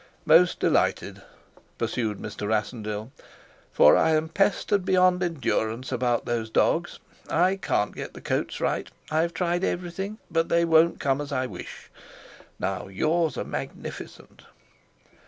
"Most delighted," pursued Mr. Rassendyll. "For I am pestered beyond endurance about those dogs. I can't get the coats right, I've tried everything, but they won't come as I wish. Now, yours are magnificent."